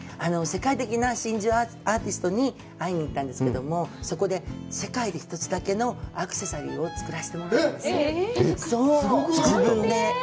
世界的な真珠アーティストに会いに行ったんですけども、そこで世界で一つだけのアクセサリーを作らせてもらったんです。